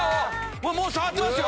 もう触ってますよ！